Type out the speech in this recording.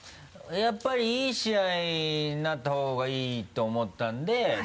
やっぱりいい試合になった方がいいと思ったので。